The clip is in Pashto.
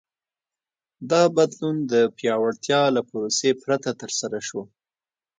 دا بدلون د پیاوړتیا له پروسې پرته ترسره شو.